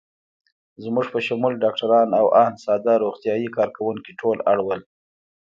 زموږ په شمول ډاکټران او آن ساده روغتیايي کارکوونکي ټول اړ ول.